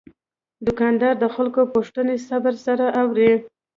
دوکاندار د خلکو پوښتنې صبر سره اوري.